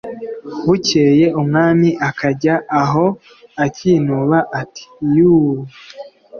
bukeye umwami akajya aho akinuba ati 'yuu